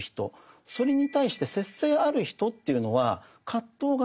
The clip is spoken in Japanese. それに対して節制ある人というのは葛藤がない。